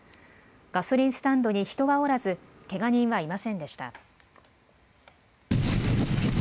ガソリンスタンドに人はおらず、けが人はいませんでした。